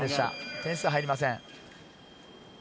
点数入りません。